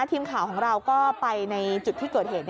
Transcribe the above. ทีมข่าวของเราก็ไปในจุดที่เกิดเหตุ